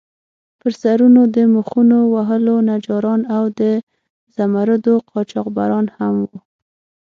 پر سرونو د میخونو وهلو نجاران او د زمُردو قاچاقبران هم وو.